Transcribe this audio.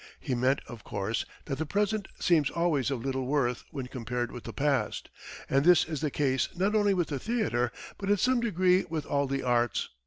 He meant, of course, that the present seems always of little worth when compared with the past; and this is the case not only with the theatre, but in some degree with all the arts.